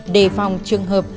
đề phòng trường hợp